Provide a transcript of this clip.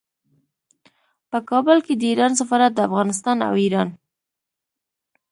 په کابل کې د ایران سفارت د افغانستان او ایران